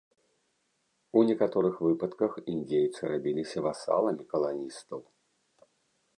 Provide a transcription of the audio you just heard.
У некаторых выпадках індзейцы рабіліся васаламі каланістаў.